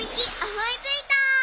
思いついた！